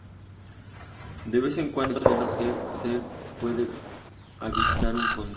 De vez en cuando, al mirar el cielo se puede avistar un cóndor.